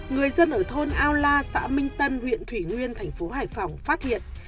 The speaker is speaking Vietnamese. người dân ở thôn ao la xã minh tân huyện thủy nguyên thành phố hải phòng phát hiện